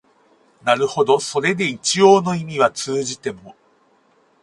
なるほどそれで一応の意味は通じても、